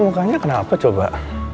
mukanya kenapa coba